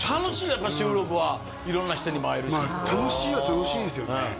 やっぱり収録は色んな人にも会えるし楽しいは楽しいですよね